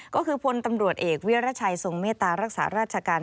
ก็คือพลตำรวจเอกวิรัชัยทรงเมตตารักษาราชการ